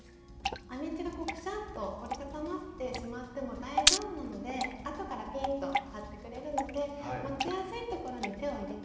編み地がくしゃっと折り畳まってしまっても大丈夫なのであとからピーンと張ってくれるので持ちやすいところに手を入れて。